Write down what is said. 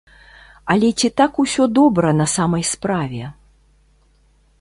Але ці так усё добра на самай справе?